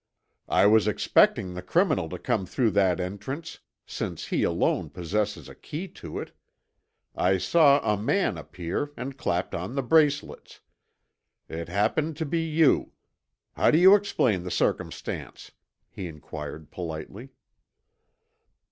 "I was expecting the criminal to come through that entrance, since he alone possesses a key to it. I saw a man appear and clapped on the bracelets. It happened to be you. How do you explain the circumstance?" he inquired politely.